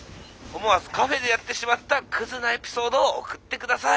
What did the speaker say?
思わずカフェでやってしまったクズなエピソードを送って下さい」。